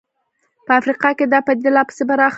په افریقا کې دا پدیده لا پسې پراخه شوه.